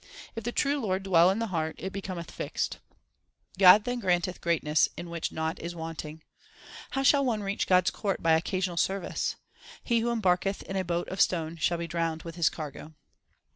If the true Lord dwell in the heart, it becometh fixed. God then granteth greatness in which naught is wanting. How shall one reach God s court by occasional service ? He who embarketh in a boat of stone shall be drowned with his cargo.